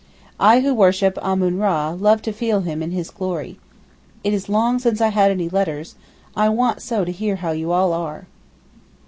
I who worship Ammun Ra, love to feel him in his glory. It is long since I had any letters, I want so to hear how you all are.